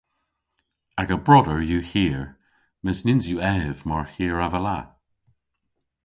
Aga broder yw hir mes nyns yw ev mar hir avella.